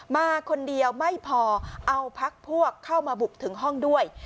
มาคนเดียวไม่พอเอาพักพวกเข้ามาบุกถึงห้องด้วย